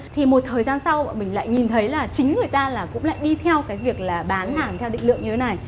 thì một thời gian sau mình lại nhìn thấy là chính người ta là cũng lại đi theo cái việc là bán hàng theo định lượng như thế này